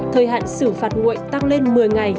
thời hạn xử phạt nguội tăng lên một mươi ngày